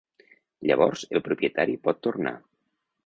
Llavors, el propietari pot tornar.